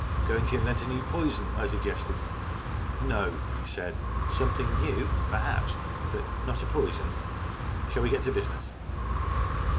" Going to invent a new poison ?" I suggested. " No," he said. " Something new, perhaps, but not a poison. Shall we get to business